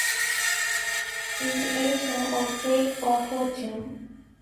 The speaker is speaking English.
In the edition of Fake or Fortune?